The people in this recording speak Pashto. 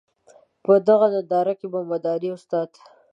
په دغه ننداره کې به مداري استاد.